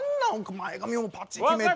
前髪もパチッ決めて。